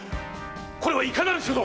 これはいかなる所存！